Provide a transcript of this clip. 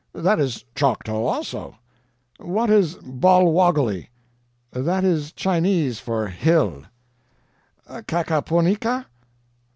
That is Choctaw, also." "What is 'BOLWOGGOLY'?" "That is Chinese for 'hill.'" "'KAHKAHPONEEKA'?"